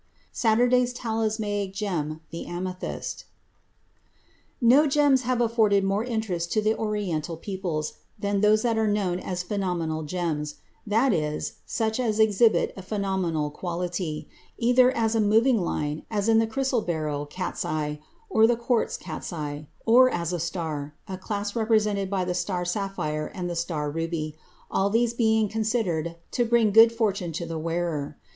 Saturday's talismanic gem: the amethyst. No gems have afforded more interest to the Oriental peoples than those that are known as phenomenal gems; that is, such as exhibit a phenomenal quality, either as a moving line as in the chrysoberyl cat's eye, or the quartz cat's eye, or as a star, a class represented by the star sapphire and the star ruby, all these being considered to bring good fortune to the wearer.